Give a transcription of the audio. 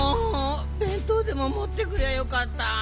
べんとうでももってくりゃよかった。